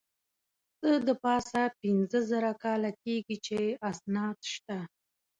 څه د پاسه پینځه زره کاله کېږي چې اسناد شته.